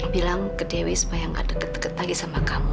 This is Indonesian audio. bilang ke dewi supaya gak deket deket lagi sama kamu